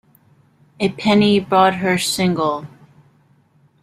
A Penny Broadhurst single.